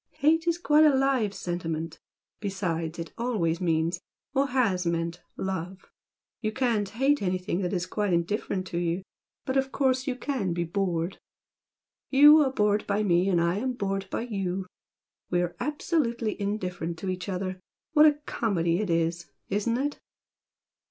Hate is quite a live sentiment, besides it always means, or HAS meant love! You can't hate anything that is quite indifferent to you, but of course you CAN be bored! YOU are bored by me and I am bored by YOU! and we are absolutely indifferent to each other! What a comedy it is! Isn't it?"